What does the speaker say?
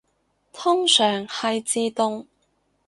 通常係自動